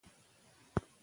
هغه یو نوی دوران پیل کړ.